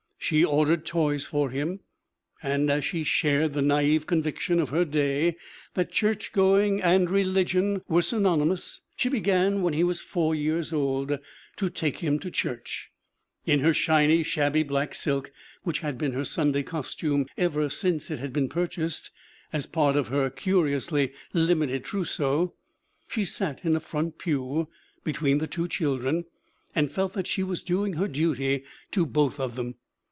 She ordered toys for him, and as she shared the nai've conviction of her day that church going and religion were synonymous, she began, when he was four years old, to take him to church. In her shiny, shabby black silk, which had been her Sunday costume ever since it had been purchased as part of her curiously limited trousseau, she sat in a front pew, between the two children, and felt that she was doing her duty to both of them.